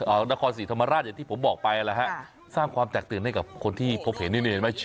นครศรีธรรมราชอย่างที่ผมบอกไปนะฮะสร้างความแตกตื่นให้กับคนที่พบเห็นนี่นี่เห็นไหม